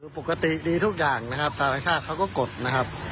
คือปกติดีทุกอย่างนะครับสารชาติเขาก็กดนะครับ